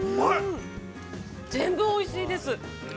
◆全部おいしいです。